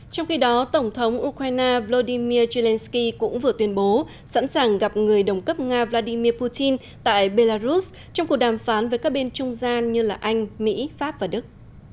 trong khi đó tổng thống ukraine volodymyr zelensky cũng vừa tuyên bố sẵn sàng gặp người đồng cấp nga vladimir putin tại belarus trong cuộc đàm phán với các bên trung gian như anh mỹ pháp và đức